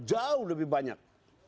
jauh lebih banyak